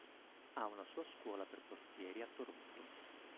Ha una sua scuola per portieri a Toronto.